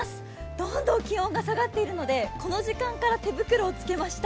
どんどん気温が下がっているのでこの時間から手袋をつけました。